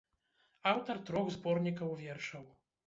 Аўтар трох зборнікаў вершаў.